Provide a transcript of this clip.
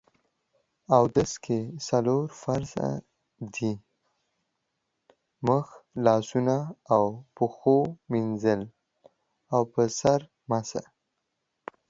اودس کې څلور فرض دي: مخ، لاسونو او پښو مينځل او په سر مسح